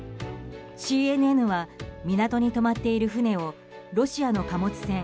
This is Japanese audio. ＣＮＮは港に泊まっている船をロシアの貨物船